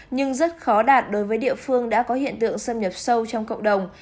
nhưng rất khó đạt đối với địa phương đã có hiện tượng xâm nhập sâu trong cộng đồng